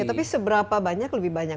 tapi seberapa banyak lebih banyak